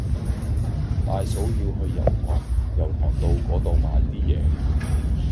大嫂要去油塘油塘道嗰度買啲嘢